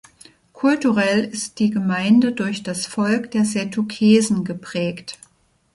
Kulturell ist die Gemeinde durch das Volk der Setukesen geprägt.